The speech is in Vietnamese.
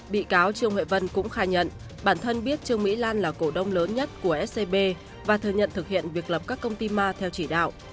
bị cáo trương huệ vân cũng khai nhận bản thân biết trương mỹ lan là cổ đông lớn nhất của scb và thừa nhận thực hiện việc lập các công ty ma theo chỉ đạo